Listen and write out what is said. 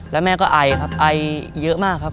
แล้วแม่ก็ไอครับไอเยอะมากครับ